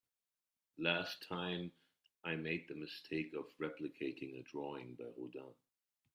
Last time, I made the mistake of replicating a drawing by Rodin.